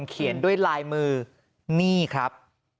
เขียนด้วยลายมือนี่ครับ